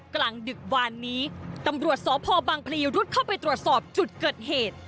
กลางดึกวานนี้ตำรวจสพบังพลีรุดเข้าไปตรวจสอบจุดเกิดเหตุ